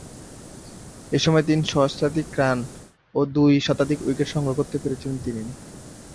এ সময়ে তিন সহস্রাধিক রান ও দুই শতাধিক উইকেট সংগ্রহ করতে পেরেছিলেন তিনি।